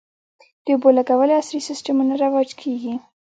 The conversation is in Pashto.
د اوبولګولو عصري سیستمونه رواج کیږي